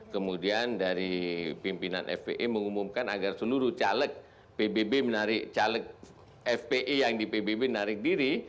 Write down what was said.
kemudian dari pimpinan fpi mengumumkan agar seluruh caleg pbb menarik caleg fpi yang di pbb menarik diri